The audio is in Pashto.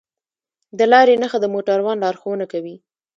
د لارې نښه د موټروان لارښوونه کوي.